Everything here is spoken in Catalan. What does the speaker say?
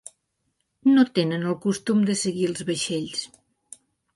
No tenen el costum de seguir els vaixells.